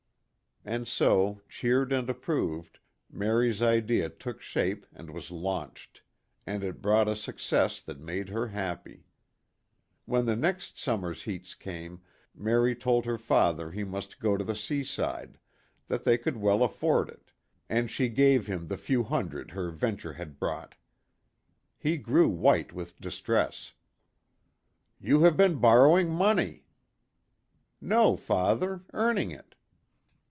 And so, cheered and approved, Mary's idea took shape and was launched. And it brought a success that made her happy. When the next summer's heats came, Mary told her father he must go to the seaside, that they could well afford it, and she gave him the few hundreds her venture had brought. He grew white with distress: "You have been bor rowing money !"" No, father ! earning it."